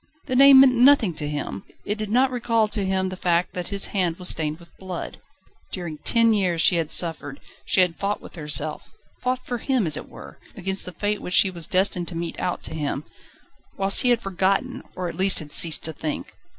The name meant nothing to him! It did not recall to him the fact that his hand was stained with blood. During ten years she had suffered, she had fought with herself, fought for him as it were, against the Fate which she was destined to mete out to him, whilst he had forgotten, or at least had ceased to think.